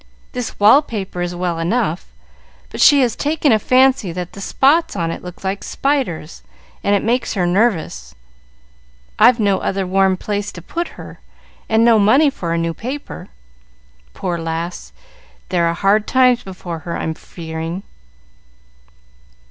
This wall paper is well enough, but she has taken a fancy that the spots on it look like spiders, and it makes her nervous. I've no other warm place to put her, and no money for a new paper. Poor lass! There are hard times before her, I'm fearing."